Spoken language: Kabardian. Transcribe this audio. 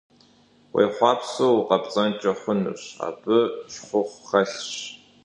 Уехъуапсэу укъэпцӀэнкӀэ хъунущ, абы щхъухь хэлъщ.